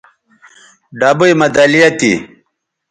ڈبئ مہ دَلیہ تھی